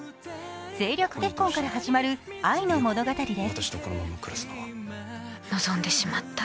政略結婚から始まる愛の物語です。